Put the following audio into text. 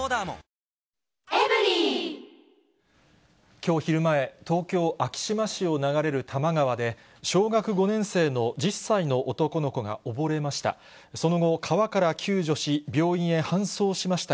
きょう昼前、東京・昭島市を流れる多摩川で、小学５年生の１０歳の男の子が溺れました。